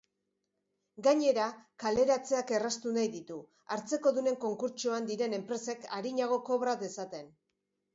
Gainera, kaleratzeak erraztu nahi ditu hartzekodunen konkurtsoan diren enpresek arinago kobra dezaten.